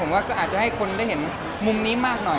ผมว่าก็อาจจะให้คนได้เห็นมุมนี้มากหน่อย